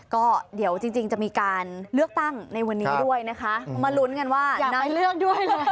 ก็เดี๋ยวจริงจะมีการเลือกตั้งในวันนี้ด้วยนะคะมาลุ้นกันว่าอย่าไปเลือกด้วยเลย